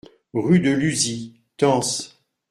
Rue de Luzy, Tence